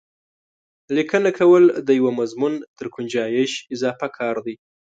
لیکنه کول د یوه مضمون تر ګنجایش اضافه کار دی.